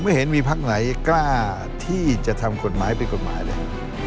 เห็นมีพักไหนกล้าที่จะทำกฎหมายเป็นกฎหมายเลย